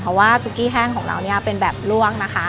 เพราะว่าซุกี้แห้งของเราเนี่ยเป็นแบบล่วงนะคะ